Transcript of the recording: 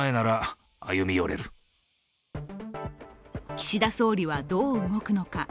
岸田総理はどう動くのか。